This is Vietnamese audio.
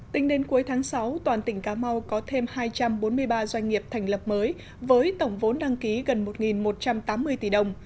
tính đến cuối tháng sáu toàn tỉnh cà mau có thêm hai trăm bốn mươi ba doanh nghiệp thành lập mới với tổng vốn đăng ký gần một một trăm tám mươi tỷ đồng